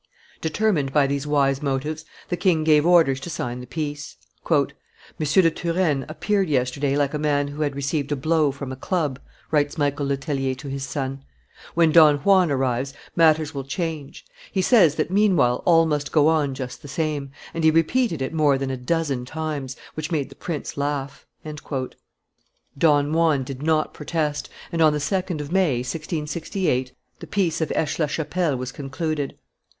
Determined by these wise motives, the king gave orders to sign the peace. "M. de Turenne appeared yesterday like a man who had received a blow from a club," writes Michael Le Tellier to his son: "when Don Juan arrives, matters will change; he says that, meanwhile, all must go on just the same, and he repeated it more than a dozen times, which made the prince laugh." Don Juan did not protest, and on the 2d of May, 1668, the peace of Aix la Chapelle was concluded.